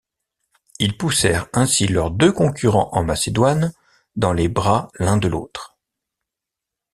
Ils poussèrent ainsi leurs deux concurrents en Macédoine dans les bras l'un de l'autre.